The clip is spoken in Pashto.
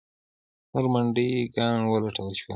نور منډیي ګان ولټول شول.